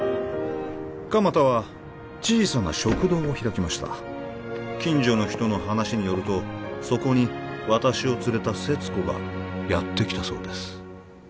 鎌田は小さな食堂を開きました近所の人の話によるとそこに私を連れた勢津子がやってきたそうです